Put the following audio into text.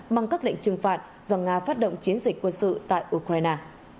bằng các lệnh trừng phạt do nga phát động chiến dịch quân sự tại ukraine